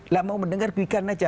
lah mau mendengar weekend aja